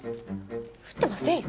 降ってませんよ。